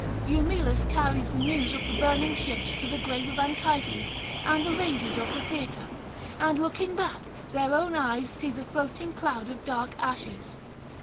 Eumelus carries the news of the burning ships to the grave of Anchises and the ranges of the theatre; and looking back, their own eyes see the floating cloud of dark ashes.